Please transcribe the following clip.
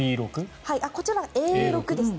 こちら、Ａ６ですね。